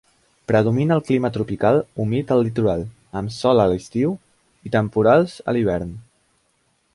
Predomina el clima tropical humit al litoral, amb sol a l'estiu i temporals a l'hivern.